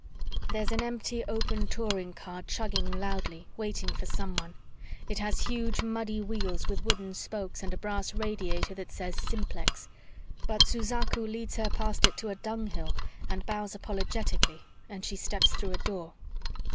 "There's an empty open touring car chugging loudly, waiting for someone; it has huge muddy wheels with wooden spokes and a brass radiator that says 'Simplex.' But Suzaku leads her past it to a dunghill and bows apologetically and she steps through a Door."